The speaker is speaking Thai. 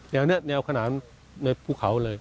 แนวนี้แนวขนาดในภูเขาเลย